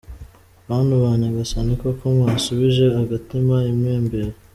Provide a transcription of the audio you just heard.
Bantu ba nyagasani koko mwasubije agatima impembero?